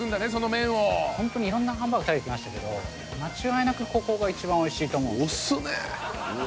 いろんなハンバーグ食べてきましたけど間違いなくここが一番おいしいと思うんで。